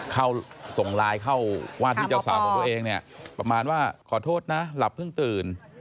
ส่งไลน์เข้าว่าที่เจ้าสาวของตัวเองเนี่ยประมาณว่าขอโทษนะหลับเพิ่งตื่น